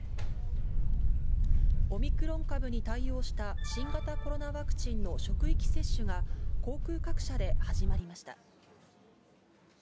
オミクロン株に対応した新型コロナワクチンの職域接種が、航空各社で始まりました。